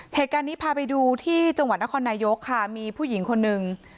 เหตุการณ์นี้พาไปดูที่จังหวัดนครนายกค่ะมีผู้หญิงคนนึง